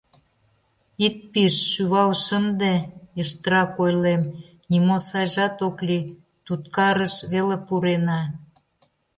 — Ит пиж, шӱвал шынде, — йыштрак ойлем, — нимо сайжат ок лий, — туткарыш веле пурена...